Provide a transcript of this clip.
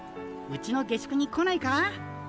うちの下宿に来ないか？